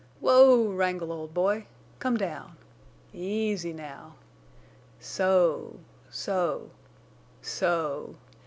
"Whoa, Wrangle, old boy! Come down. Easy now. So—so—so.